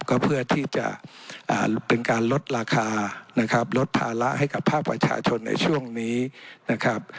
ก็เพื่อที่จะเป็นการลดราคานะครับลดภาระให้กับภาคประชาชนในช่วงนี้นะครับ